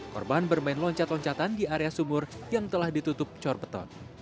korban bermain loncat loncatan di area sumur yang telah ditutup corbeton